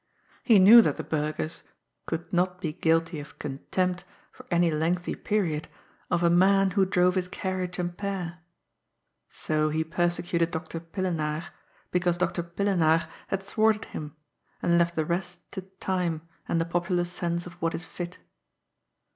He knew that the burghers could not be guilty of contempt, for any lengthy period, of a man who drove his carriage and pair. So he persecuted Dr. Pillenaar, because Dr. Pillenaar had thwarted him, and left the rest to time and the popular sense of what is fit.